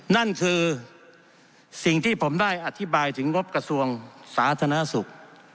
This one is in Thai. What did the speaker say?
นั่นคือสิ่งที่ผมได้อธิบายถึงงบกระทรวงสาธารณสุข